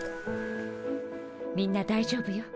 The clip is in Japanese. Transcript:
みんな大丈夫よ。